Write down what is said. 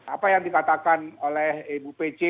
apa yang dikatakan oleh ibu pece